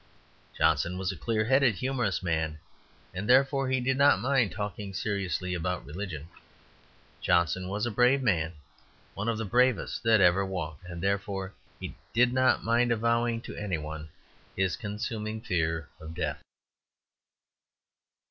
Johnson was a clear headed humorous man, and therefore he did not mind talking seriously about religion. Johnson was a brave man, one of the bravest that ever walked, and therefore he did not mind avowing to any one his consuming fear of death.